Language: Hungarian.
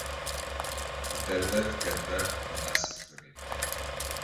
A terület kedvelt a vadászok körében.